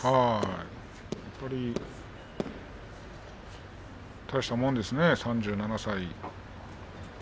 やっぱり、大したものですね３７歳。